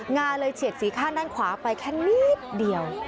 าเลยเฉียดสีข้างด้านขวาไปแค่นิดเดียว